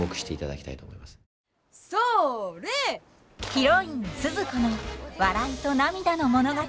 ヒロインスズ子の笑いと涙の物語。